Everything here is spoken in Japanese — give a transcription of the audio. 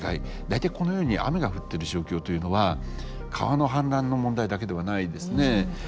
大体このように雨が降ってる状況というのは川の氾濫の問題だけではないんですね。